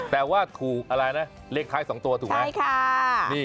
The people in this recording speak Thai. แต่ว่าถูกอะไรนะเลขท้ายสองตัวถูกไหม